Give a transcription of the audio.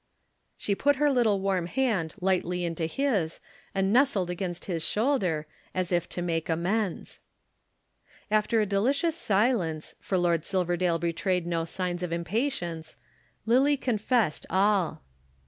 She put her little warm hand lightly into his and nestled against his shoulder, as if to make amends. After a delicious silence, for Lord Silverdale betrayed no signs of impatience, Lillie confessed all.